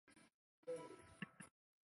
玛丽深责自己太大意。